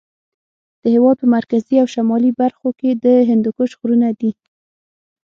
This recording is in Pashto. د هېواد په مرکزي او شمالي برخو کې د هندوکش غرونه دي.